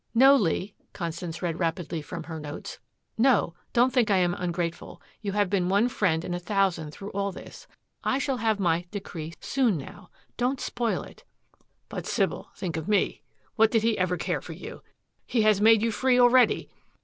"No, Lee," Constance read rapidly from her notes, "no. Don't think I am ungrateful. You have been one friend in a thousand through all this. I shall have my decree soon, now. Don't spoil it " "But Sybil, think of Mm. What did he ever care for you! He has made you free already."